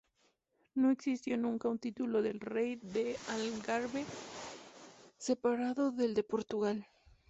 No existió nunca un título de rey del Algarve, separado del de Portugal.